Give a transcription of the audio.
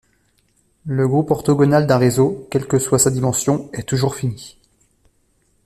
Le groupe orthogonal d'un réseau, quelle que soit sa dimension, est toujours fini.